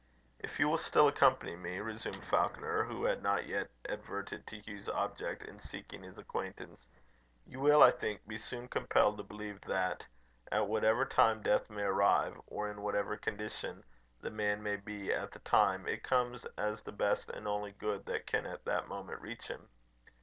"If you will still accompany me," resumed Falconer, who had not yet adverted to Hugh's object in seeking his acquaintance, "you will, I think, be soon compelled to believe that, at whatever time death may arrive, or in whatever condition the man may be at the time, it comes as the best and only good that can at that moment reach him.